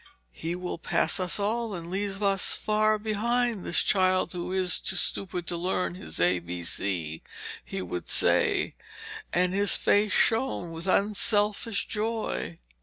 'He will pass us all, and leave us far behind, this child who is too stupid to learn his A B C,' he would say, and his face shone with unselfish joy.